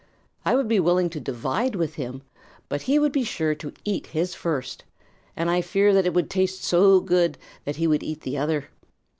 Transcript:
I would be willing to divide with him, but he would be sure to eat his first, and I fear that it would taste so good that he would eat the other.